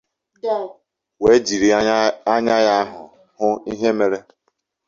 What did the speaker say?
wee jiri anya ya hụ ihe mere